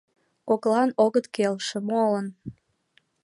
Коклан огыт келше, молан?